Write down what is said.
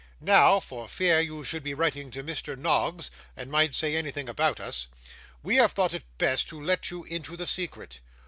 Now, for fear you should be writing to Mr. Noggs, and might say anything about us, we have thought it best to let you into the secret.